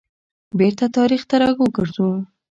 بیرته تاریخ ته را وګرځو.